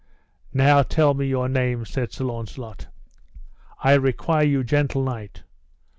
Now tell me your name, said Sir Launcelot, I require you, gentle knight.